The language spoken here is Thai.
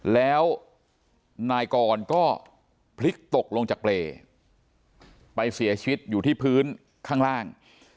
แล้วนายกรก็พลิกตกลงจากเปรย์ไปเสียชีวิตอยู่ที่พื้นข้างล่าง